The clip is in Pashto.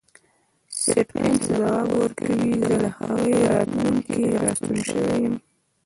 سټېفنس ځواب ورکوي زه له هغې راتلونکې راستون شوی یم